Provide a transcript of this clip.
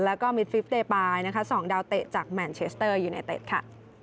แล้วก็มิดฟิสเตปายนะคะ๒ดาวเตะจากแมนเชสเตอร์ยูไนเต็ดค่ะ